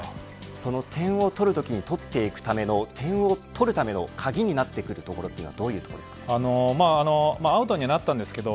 その点を取るときにとっていくための点を取るための鍵なってくるというところアウトになったんですけど